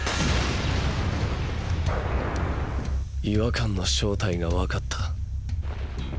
違和感の正体がわかった。